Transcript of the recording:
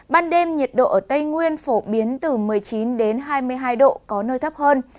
ban đêm nhiệt độ ở tây nguyên phổ biến từ một mươi chín đến hai mươi hai độ có nơi thấp hơn